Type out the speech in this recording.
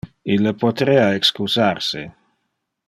Ille poterea excusar se.